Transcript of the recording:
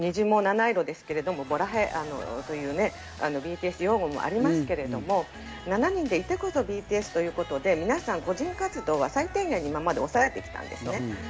虹も７色ですけれども、そういうＢＴＳ用語もありますが、７人でいてこそＢＴＳということで、皆さん個人活動は最低限、抑えてきたんですね。